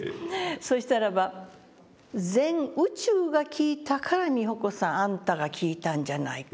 そしたらば「全宇宙が聞いたから美穂子さんあんたが聞いたんじゃないか」